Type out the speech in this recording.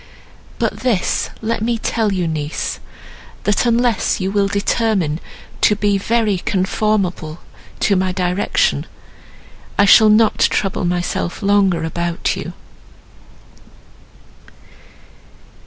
But this let me tell you niece, that, unless you will determine to be very conformable to my direction, I shall not trouble myself longer about you."